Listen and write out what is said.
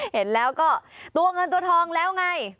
เห็นแล้วก็ตัวเงินตัวทองแล้วไง